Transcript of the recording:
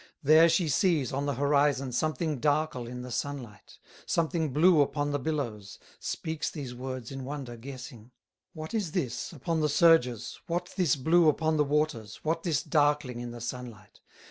There she sees, on the horizon, Something darkle in the sunlight, Something blue upon the billows, Speaks these words in wonder guessing: "What is this upon the surges, What this blue upon the waters, What this darkling in the sunlight?